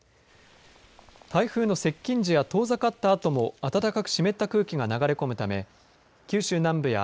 台風の接近時や遠ざかったあとも暖かく湿った空気が流れ込むため九州南部や